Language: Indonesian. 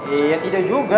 eh ya tidak juga